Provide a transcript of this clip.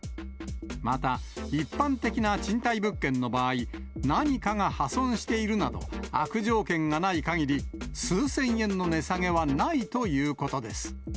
また、一般的な賃貸物件の場合、何かが破損しているなど、悪条件がないかぎり、数千円の値下げはないということです。